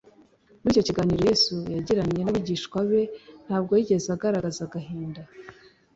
Muri icyo kiganiro Yesu yagiranye n'abigishwa be ntabwo yigeze agaragaza agahinda